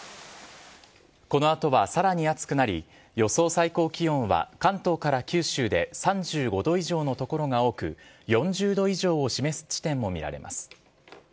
このあとはさらに暑くなり、予想最高気温は関東から九州で３５度以上の所が多く、４０度以上を示す地点も見られます。